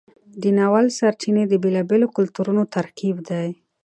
د ناول سرچینې د بیلابیلو کلتورونو ترکیب دی.